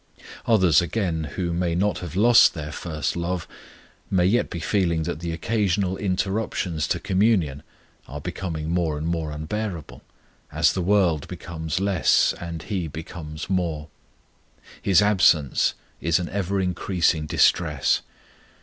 Others, again, who may not have lost their first love, may yet be feeling that the occasional interruptions to communion are becoming more and more unbearable, as the world becomes less and He becomes more. His absence is an ever increasing distress.